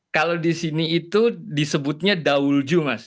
kalau di sini itu disebutnya daulju mas